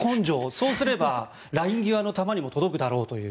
そうすればライン際の球にも届くだろうという。